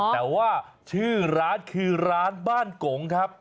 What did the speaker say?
แต่ว่าชื่อร้านคือร้านบ้านกงครับ